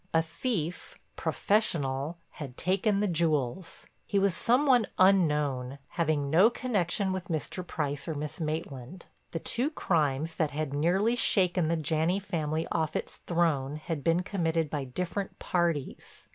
A thief, professional, had taken the jewels. He was some one unknown, having no connection with Mr. Price or Miss Maitland. The two crimes that had nearly shaken the Janney family off its throne had been committed by different parties.